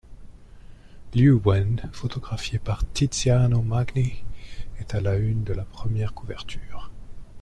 Liu Wen, photographiée par Tiziano Magni, est à la une de la première couverture.